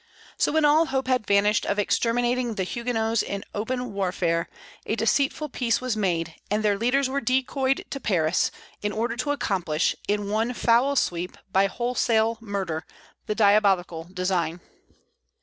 So when all hope had vanished of exterminating the Huguenots in open warfare, a deceitful peace was made; and their leaders were decoyed to Paris, in order to accomplish, in one foul sweep, by wholesale murder, the diabolical design.